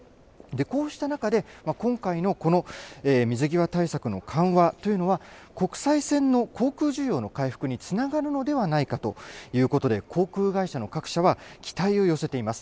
こうした中で、今回のこの水際対策の緩和というのは、国際線の航空需要の回復につながるのではないかということで、航空会社の各社は、期待を寄せています。